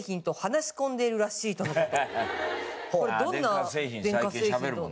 これどんな電化製品と？